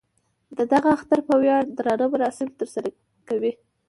د دغه اختر په ویاړ درانه مراسم تر سره کوي.